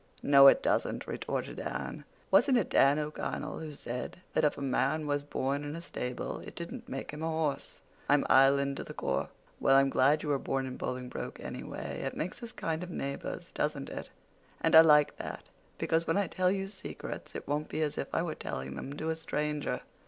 "No, it doesn't," retorted Anne. "Wasn't it Dan O'Connell who said that if a man was born in a stable it didn't make him a horse? I'm Island to the core." "Well, I'm glad you were born in Bolingbroke anyway. It makes us kind of neighbors, doesn't it? And I like that, because when I tell you secrets it won't be as if I were telling them to a stranger.